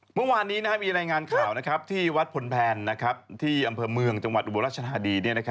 เมื่อวานนี้มีรายงานข่าวที่วัดพลแพนที่อำเภอเมืองจังหวัดอุบลรัชธานี